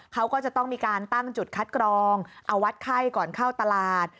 เขาก็จะต้องมีการตั้งจุดคัดกรองเอาวัดไข้ก่อนเข้าตลาด